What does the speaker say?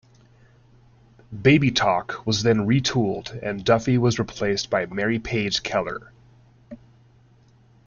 'Baby Talk' was then retooled and Duffy was replaced by Mary Page Keller.